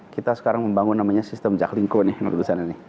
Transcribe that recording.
kita sekarang membangun namanya sistem juggling code